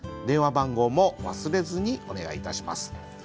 電話番号も忘れずにお願いいたします。